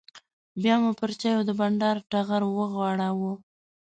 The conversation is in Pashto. بیا مو پر چایو د بانډار ټغر وغوړاوه.